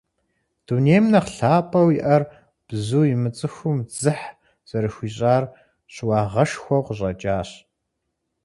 Дунейм нэхъ лъапӀэу иӀэр бзу имыцӀыхум дзыхь зэрыхуищӀар щыуагъэшхуэу къыщӀэкӀащ.